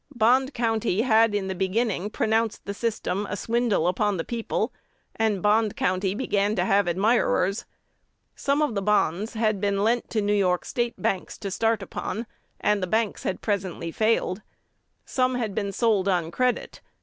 Bond County had in the beginning pronounced the system a swindle upon the people; and Bond County began to have admirers. Some of the bonds had been lent to New York State banks to start upon; and the banks had presently failed. Some had been sold on credit.